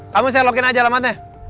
kamu share login aja alamatnya